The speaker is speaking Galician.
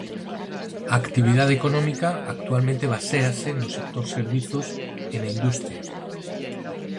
A actividade económica actualmente baséase no sector servizos e na industria.